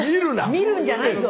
見るんじゃない。